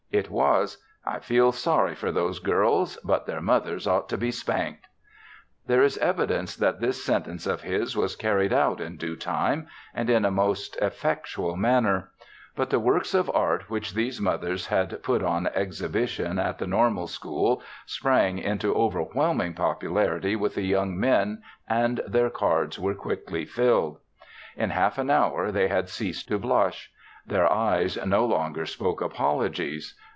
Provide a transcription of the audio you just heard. It was: "I feel sorry for those girls but their mothers ought to be spanked!" There is evidence that this sentence of his was carried out in due time and in a most effectual manner. But the works of art which these mothers had put on exhibition at the Normal School sprang into overwhelming popularity with the young men and their cards were quickly filled. In half an hour, they had ceased to blush. Their eyes no longer spoke apologies.